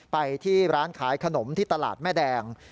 ไปที่ร้านขายขนมที่ตลาดแม่แดง